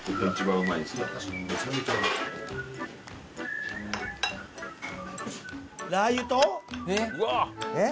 うわっ！